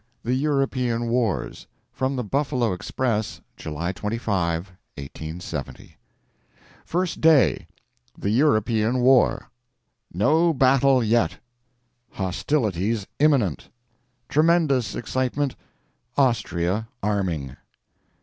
THE EUROPEAN WARS [From the Buffalo Express, July 25, 1870.] First Day THE EUROPEAN WAR!!! NO BATTLE YET!!! HOSTILITIES IMMINENT!!! TREMENDOUS EXCITEMENT. AUSTRIA ARMING!